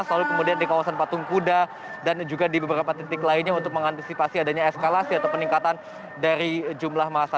lalu kemudian di kawasan patung kuda dan juga di beberapa titik lainnya untuk mengantisipasi adanya eskalasi atau peningkatan dari jumlah masa